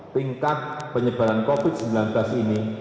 tingkat penyebaran covid sembilan belas ini